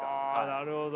なるほど。